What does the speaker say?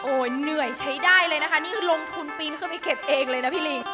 เหนื่อยใช้ได้เลยนะคะนี่คือลงทุนปีนขึ้นไปเก็บเองเลยนะพี่ลิง